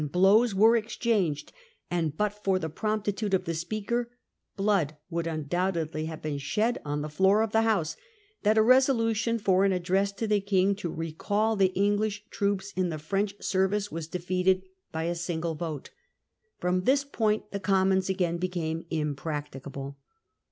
blows were exchanged and, but for the promptitude of the Speaker, blood would undoubtedly have been shed on the floor of the House, that a r/feolution for an address to the King to recall the English troops in the French service was defeated by a single vote. From this point the Commons again became impracticable.